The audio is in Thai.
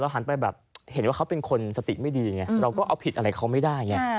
เพราะเขาเป็นคนสติไม่ดีไงเราก็เอาผิดอะไรเขาไม่ได้ไง